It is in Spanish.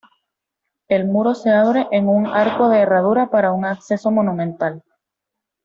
El muro se abre en un arco de herradura para un acceso monumental.